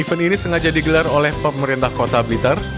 event ini sengaja digelar oleh pemerintah kota blitar